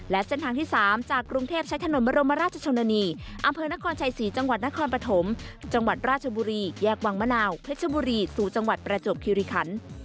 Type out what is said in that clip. และเส้นทางที่๓จากกรุงเทพใช้ถนนบรมราชชนนีอำเภอนครชัยศรีจังหวัดนครปฐมจังหวัดราชบุรีแยกวังมะนาวเพชรบุรีสู่จังหวัดประจวบคิริคัน